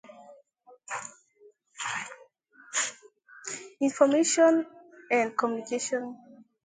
Information and communication technologies provide important infrastructure for contemporary deschooling.